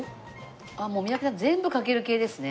あっもう三宅さん全部かける系ですね。